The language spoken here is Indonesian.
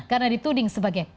karena dituding sebagai polisi